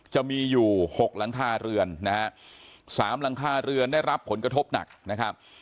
จะมีอยู่หกหลังคาเรือนนะฮะสามหลังคาเรือนได้รับผลกระทบหนักนะครับ